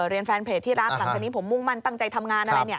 แฟนเพจที่รักหลังจากนี้ผมมุ่งมั่นตั้งใจทำงานอะไรเนี่ย